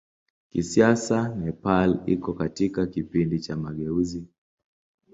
Kisiasa Nepal iko katika kipindi cha mageuzi.